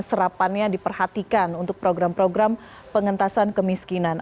serapannya diperhatikan untuk program program pengentasan kemiskinan